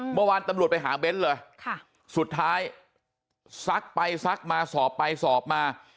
เมื่อวานตำรวจไปหาเบ้นเลยสุดท้ายซักไปซักมาสอบไปสอบมา